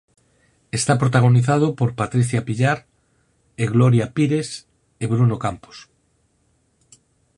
Está protagonizado por Patrícia Pillar e Glória Pires e Bruno Campos.